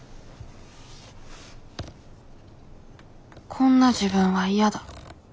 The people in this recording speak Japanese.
「こんな自分は嫌だ」。